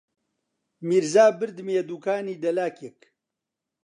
میرزا بردمییە دووکانی دەلاکێک